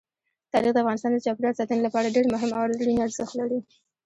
تاریخ د افغانستان د چاپیریال ساتنې لپاره ډېر مهم او اړین ارزښت لري.